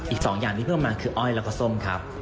อีก๒อย่างที่เพิ่มมาคืออ้อยแล้วก็ส้มครับ